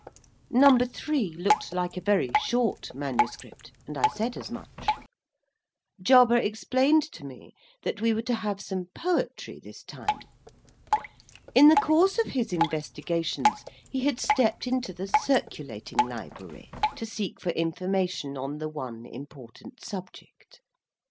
Number Three looked like a very short manuscript, and I said as much. Jarber explained to me that we were to have some poetry this time. In the course of his investigations he had stepped into the Circulating Library, to seek for information on the one important subject.